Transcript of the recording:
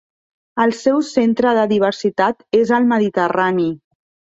El seu centre de diversitat és al Mediterrani.